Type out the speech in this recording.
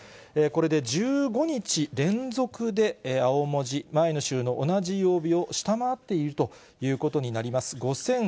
これで１５日連続で青文字、前の週の同じ曜日を下回っているということになります。